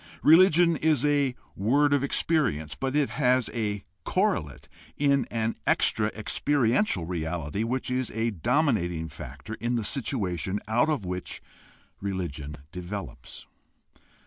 Religion is a word of experience, but it has a correlate in an extra experiential reality which is a dominating factor in the situation out of which religion develops.